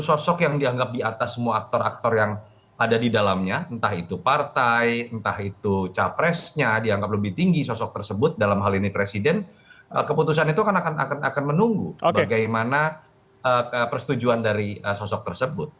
sosok yang dianggap di atas semua aktor aktor yang ada di dalamnya entah itu partai entah itu capresnya dianggap lebih tinggi sosok tersebut dalam hal ini presiden keputusan itu akan menunggu bagaimana persetujuan dari sosok tersebut